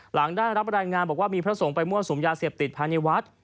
หลังได้รับรายงานบอกว่ามีพระสงฆ์ไปมั่วสุมยาเสพติดภายในวัด